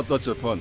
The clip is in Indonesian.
tidak hanya poin